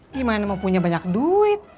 gimana mau punya banyak duit